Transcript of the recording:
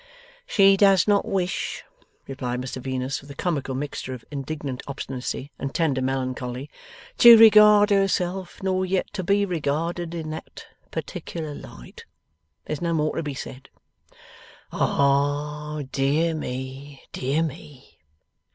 'She does not wish,' replied Mr Venus with a comical mixture of indignant obstinacy and tender melancholy, 'to regard herself, nor yet to be regarded, in that particular light. There's no more to be said.' 'Ah, dear me, dear me!